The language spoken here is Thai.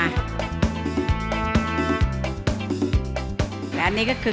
และอันนี้ก็คือ